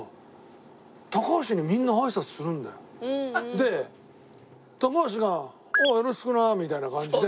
で高橋が「よろしくな！」みたいな感じで。